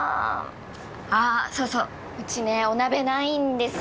あっそうそううちねお鍋ないんですよ。